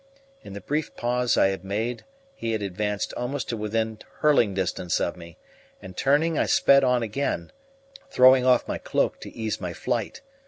In the brief pause I had made he had advanced almost to within hurling distance of me, and turning, I sped on again, throwing off my cloak to ease my flight.